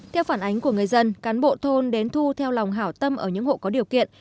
theo phản ánh của người dân cán bộ thôn đến thu theo lòng hảo tâm ở những hộ có điều kiện